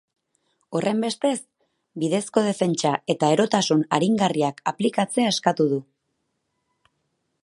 Horrenbestez, bidezko defentsa eta erotasun aringarriak aplikatzea eskatu du.